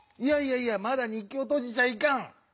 いやいやいやまだにっきをとじちゃいかん！